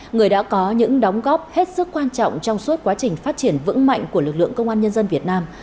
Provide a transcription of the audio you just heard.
người đã có những đóng góp hết sức quan trọng trong suốt quá trình phát triển vững mạnh của lực lượng công an nhân dân việt nam